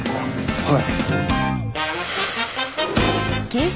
はい。